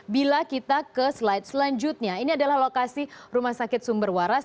bila kita ke slide selanjutnya ini adalah lokasi rumah sakit sumber waras